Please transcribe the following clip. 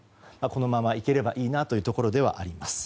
このままいければいいなというところではあります。